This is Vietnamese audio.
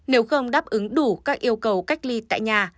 nếu không đáp ứng đủ các yêu cầu cách ly tại nhà